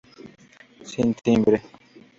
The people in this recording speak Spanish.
Sin timbre.